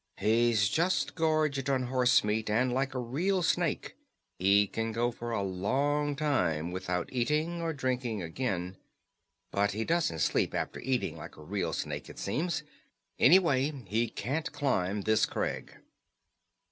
"He's just gorged on horse meat, and like a real snake, he can go for a long time without eating or drinking again. But he doesn't sleep after eating, like a real snake, it seems. Anyway, he can't climb this crag."